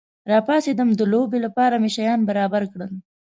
زه پاڅېدم، د لوبې لپاره مې شیان برابر کړل.